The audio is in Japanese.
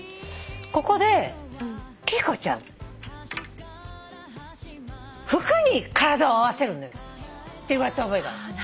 ここで「貴理子ちゃん服に体を合わせるのよ」って言われた覚えがある。